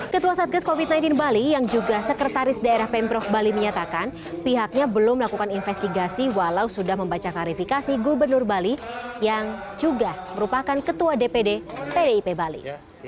ketua satgas covid sembilan belas bali yang juga sekretaris daerah pemprov bali menyatakan pihaknya belum melakukan investigasi walau sudah membaca klarifikasi gubernur bali yang juga merupakan ketua dpd pdip bali